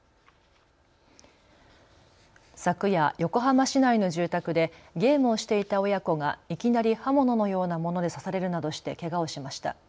昨夜、横浜市内の住宅でゲームをしていた親子がいきなり刃物のようなもので刺されるなどしてけがをしました。